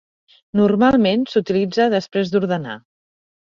Normalment s'utilitza després d'ordenar.